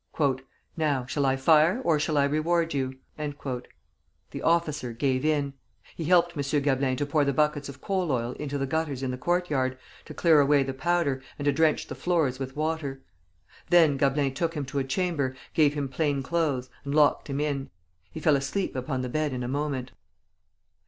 "Now, shall I fire, or shall I reward you?" The officer gave in. He helped M. Gablin to pour the buckets of coal oil into the gutters in the courtyard, to clear away the powder, and to drench the floors with water. Then Gablin took him to a chamber, gave him plain clothes, and locked him in. He fell asleep upon the bed in a moment.